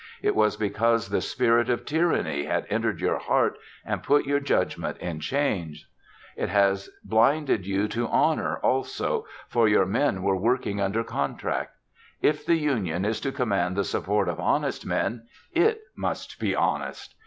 It was because the spirit of Tyranny had entered your heart and put your judgment in chains. It had blinded you to honor also, for your men were working under contract. If the union is to command the support of honest men, it must be honest.